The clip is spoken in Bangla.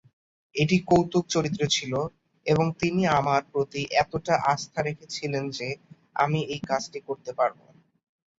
এটি কৌতুক চরিত্র ছিল, এবং তিনি আমার প্রতি এতটাই আস্থা রেখেছিলেন যে আমি এই কাজটি করতে পারব।